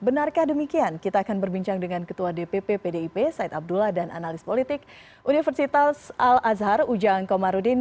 benarkah demikian kita akan berbincang dengan ketua dpp pdip said abdullah dan analis politik universitas al azhar ujang komarudin